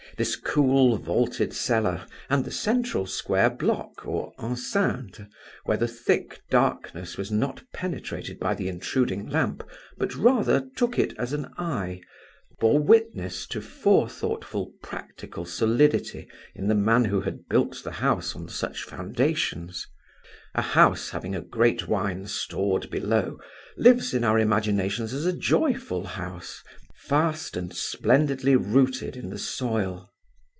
This cool vaulted cellar, and the central square block, or enceinte, where the thick darkness was not penetrated by the intruding lamp, but rather took it as an eye, bore witness to forethoughtful practical solidity in the man who had built the house on such foundations. A house having a great wine stored below lives in our imaginations as a joyful house, fast and splendidly rooted in the soil.